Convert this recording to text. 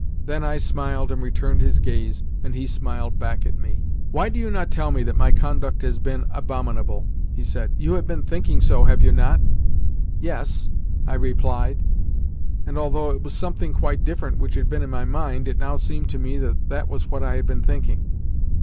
Then I smiled and returned his gaze, and he smiled back at me. "Why do you not tell me that my conduct has been abominable?" he said. "You have been thinking so, have you not?" "Yes," I replied; and although it was something quite different which had been in my mind, it now seemed to me that that was what I had been thinking.